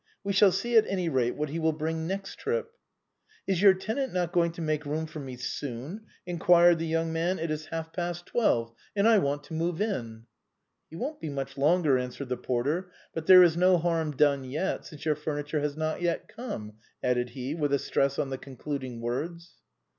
We shall see, at any rate, what he will bring next trip." " Is your tenant not going to make room for me soon ?" inquired the young man; "it is half past twelve, and I want to move in." HOW THE BOHEMIAN CLUB WAS FORMED. 9 " He won't be much longer/' answered the porter ;" but there is no harm done yet, since your furniture has not come," added he, with a stress on the concluding words.